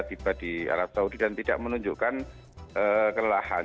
tiba di arab saudi dan tidak menunjukkan kelelahan